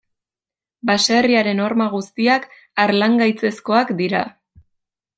Baserriaren horma guztiak harlangaitzezkoak dira.